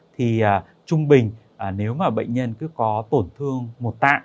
thì trung bình nếu mà bệnh nhân cứ có tổn thương một tạ